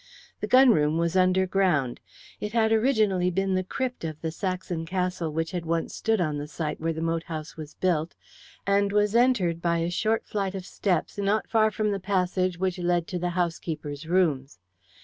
The gun room was underground. It had originally been the crypt of the Saxon castle which had once stood on the site where the moat house was built, and was entered by a short flight of steps not far from the passage which led to the housekeeper's rooms.